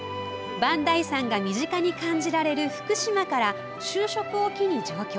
磐梯山が身近に感じられる福島から、就職を機に上京。